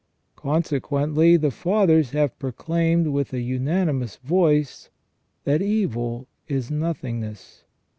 Consequently, the Fathers have proclaimed with a unanimous voice that evil is nothingness.